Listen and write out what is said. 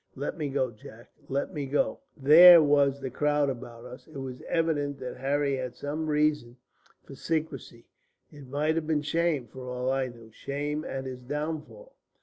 'Let me go, Jack, let me go.' There was the crowd about us. It was evident that Harry had some reason for secrecy; it might have been shame, for all I knew, shame at his downfall.